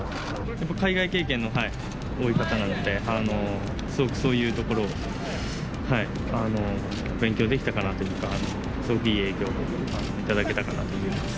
やっぱ海外経験の多い方なんで、すごくそういうところを勉強できたかなというか、すごくいい影響を頂けたかなと思います。